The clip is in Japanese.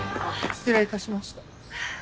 失礼致しました。